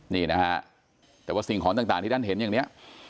นี่นะฮะแต่ว่าสิ่งของต่างที่ท่านเห็นอย่างนี้